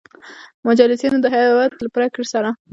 مجلسینو د هیئت له پرېکړې سـره